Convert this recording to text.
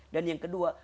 dan yang kedua